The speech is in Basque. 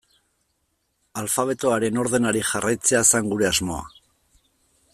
Alfabetoaren ordenari jarraitzea zen gure asmoa.